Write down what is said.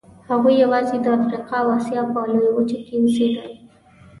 هغوی یواځې د افریقا او اسیا په لویو وچو کې اوسېدل.